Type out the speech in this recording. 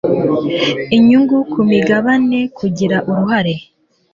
inyungu ku migabane kugira uruhare